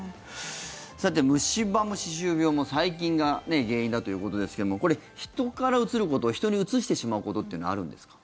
さて、虫歯も歯周病も細菌が原因だということですけどこれ、人からうつること人にうつしてしまうことというのはあるんですか？